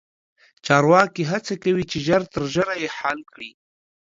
چارواکي هڅه کوي چې ژر تر ژره یې حل کړي.